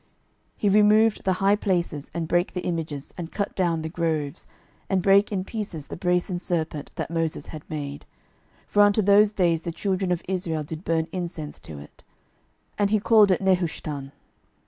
12:018:004 He removed the high places, and brake the images, and cut down the groves, and brake in pieces the brasen serpent that Moses had made: for unto those days the children of Israel did burn incense to it: and he called it Nehushtan.